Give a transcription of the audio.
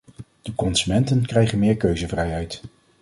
De consumenten krijgen meer keuzevrijheid.